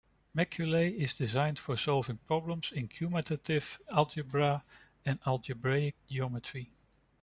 Macaulay is designed for solving problems in commutative algebra and algebraic geometry.